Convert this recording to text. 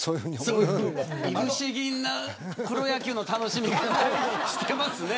いぶし銀なプロ野球の楽しみ方してますね。